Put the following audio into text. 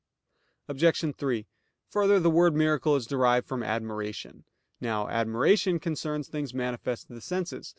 Obj. 3: Further, the word miracle is derived from admiration. Now admiration concerns things manifest to the senses.